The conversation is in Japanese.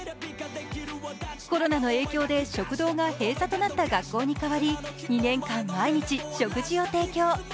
コロナの影響で食堂が閉鎖となった学校に代わり２年間毎日、食事を提供。